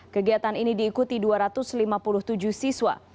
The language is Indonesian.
kegiatan ini diikuti dua ratus lima puluh tujuh siswa